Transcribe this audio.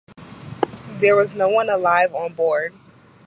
There was no one alive on board.